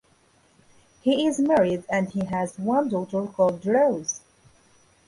He is married and he has one daughter called rose.